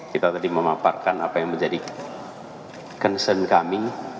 kita tadi memaparkan apa yang menjadi concern kami